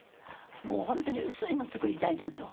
もう本当に薄いの作りたいなと。